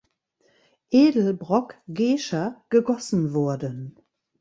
Edelbrock (Gescher) gegossen wurden.